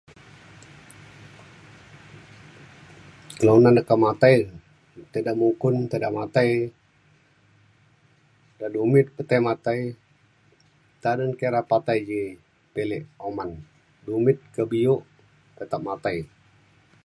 kelunan da ke matai tai da mukun tai da matai. da' dumit pe tai matai nta re kira patai ji pilik oman. dumit ke bi'ok tetap matai.